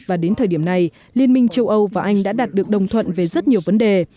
và đến thời điểm này liên minh châu âu và anh đã đạt được đồng thuận về rất nhiều vấn đề